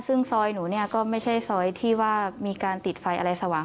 ซึ่งซอยหนูเนี่ยก็ไม่ใช่ซอยที่ว่ามีการติดไฟอะไรสว่าง